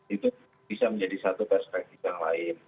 itu bisa menjadi satu perspektif yang lain